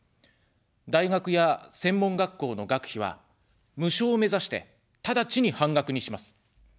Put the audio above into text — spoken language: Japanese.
大学や専門学校の学費は無償を目指して、ただちに半額にします。